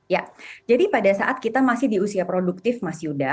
ya jadi pada saat kita masih di usia produktif mas yuda